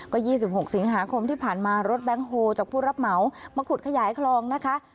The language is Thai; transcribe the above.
ก็๒๖สิงหาคมที่ผ่านมารถแบงค์โฮจากผู้รับเหมามาขุดขยายคลองนะคะ